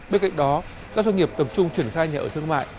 bên cạnh đó các doanh nghiệp tập trung triển khai nhà ở thương mại